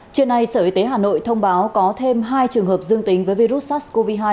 trưa nay sở y tế hà nội thông báo có thêm hai trường hợp dương tính với virus sars cov hai